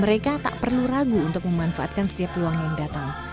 mereka tak perlu ragu untuk memanfaatkan setiap peluang yang datang